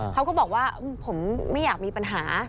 เขาก็บอกว่าผมไม่อยากมีปัญหา